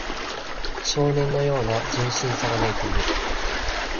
少年のような純真さがないと無理